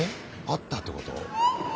あったってこと？